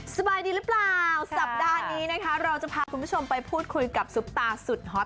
สบายดีหรือเปล่าสัปดาห์นี้นะคะเราจะพาคุณผู้ชมไปพูดคุยกับซุปตาสุดฮอต